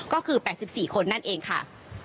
ก็คือ๘๔คนนั่นเองค่ะ